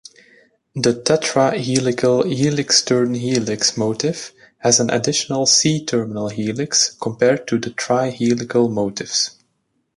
The tetra-helical helix-turn-helix motif has an additional C-terminal helix compared to the tri-helical motifs.